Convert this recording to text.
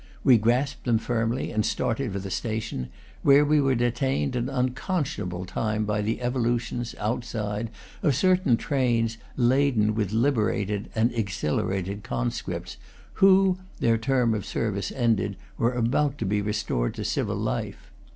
We grasped them firmly and started for the station, where we were detained an unconscionable time by the evolu tions, outside, of certain trains laden with liberated (and exhilarated) conscripts, who, their term of service ended, were about to be restored to civil life.